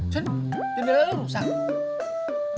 jendela lu rusak